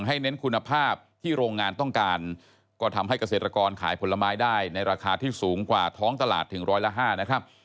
เน้นคุณภาพที่โรงงานต้องการก็ทำให้เกษตรกรขายผลไม้ได้ในราคาที่สูงกว่าท้องตลาดถึงร้อยละ๕นะครับ